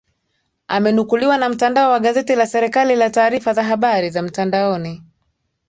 amenukuliwa na mtandao wa gazeti la serikali la taarifa za habari za mtandaoni